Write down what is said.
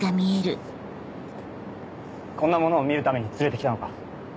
こんなものを見るために連れて来たのか？